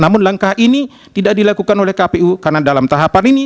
namun langkah ini tidak dilakukan oleh kpu karena dalam tahapan ini